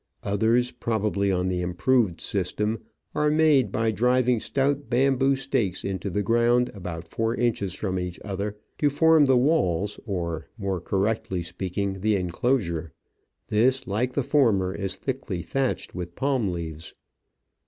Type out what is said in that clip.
Others, probably on the improved system, are made by driving stout bamboo stakes into the ground, about four inches from each other, to form the walls, or, more correctly speaking, the inclosure. This, like the former, is thickly thatched with palm leaves.